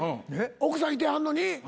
奥さんいてはんのに？